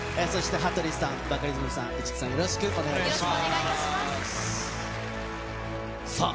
羽鳥さん、バカリズムさん、市來さん、よろしくお願いします。